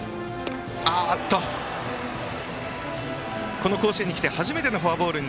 この甲子園に来て初めてのフォアボール。